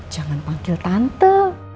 jangan panggil tante